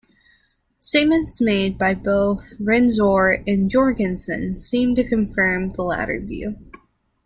Statements made by both Reznor and Jourgensen seem to confirm the latter view.